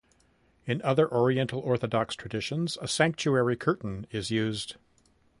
In other Oriental Orthodox traditions, a sanctuary curtain is used.